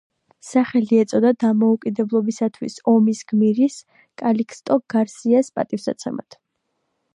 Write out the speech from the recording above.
სახელი ეწოდა დამოუკიდებლობისათვის ომის გმირის, კალიქსტო გარსიას პატივსაცემად.